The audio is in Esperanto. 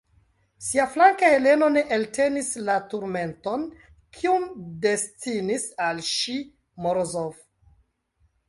Siaflanke Heleno ne eltenis la turmenton, kiun destinis al ŝi Morozov.